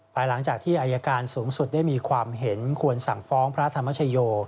ภายหลังจากที่อายการสูงสุดได้มีความเห็นควรสั่งฟ้องพระธรรมชโย